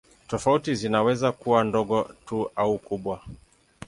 Tofauti zinaweza kuwa ndogo tu au kubwa.